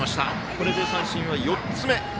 これで三振は４つ目。